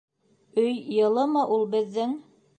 - Өй йылымы ул беҙҙең?